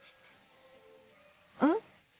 うん？